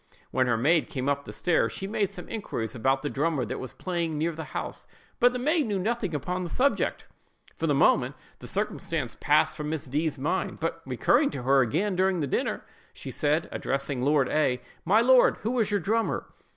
When her maid came up stairs, she made some inquiries about the drummer that was playing near the house; but the maid knew nothing on the subject. For the moment, the circumstance passed from Miss D——'s mind; but recurring to her again during the dinner, she said, addressing Lord A——, "My lord, who is your drummer?"